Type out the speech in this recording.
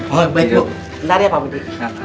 oh baik bu bentar ya pak budi